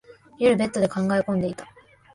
夜、ベッドで考え込んでいた。